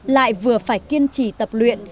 lại vừa phải kiên trì tập luyện